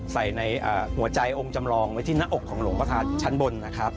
ใส่ในหัวใจองค์จำลองไว้ที่หน้าอกของหลวงประทัดชั้นบนนะครับ